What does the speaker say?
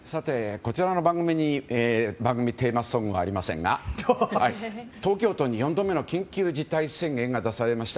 こちらの番組にテーマソングはありませんが東京都に４度目の緊急事態宣言が出されました。